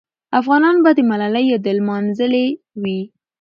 افغانان به د ملالۍ یاد لمانځلې وي.